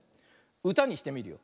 うたにしてみるよ。